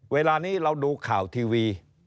เวลานี้เราดูข่าวทีวี